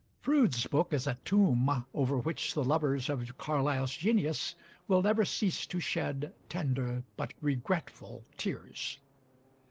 Froude's book is a tomb over which the lovers of Carlyle's genius will never cease to shed tender but regretful tears.